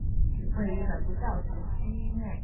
位于本部教学区内。